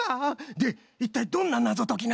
でいったいどんななぞときなんじゃ？